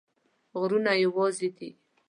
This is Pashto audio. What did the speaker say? غرونه یوازي دي